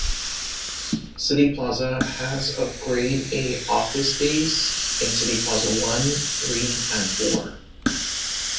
Cityplaza has of Grade A office space, in Cityplaza One, Three and Four.